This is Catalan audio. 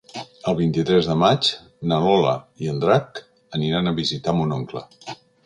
El vint-i-tres de maig na Lola i en Drac aniran a visitar mon oncle.